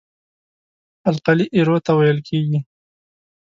القلي ایرو ته ویل کیږي.